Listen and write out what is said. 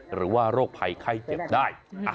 หรือว่าโรคภัยไข้เจ็บได้